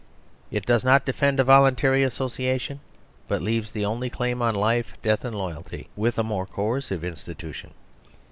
It does not defend a voluntary association, but leaves the only claim on life, death and loyalty with a more coercive institution.